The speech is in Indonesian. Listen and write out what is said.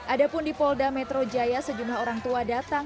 ada pun di polda metro jaya sejumlah orang tua datang